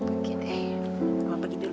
oma begitu dulu ya